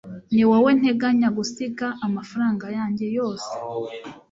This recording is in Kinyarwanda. Niwowe nteganya gusiga amafaranga yanjye yose